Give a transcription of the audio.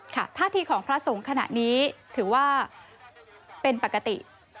ท่าทีของพระสงฆ์ขณะนี้ถือว่าเป็นปกติ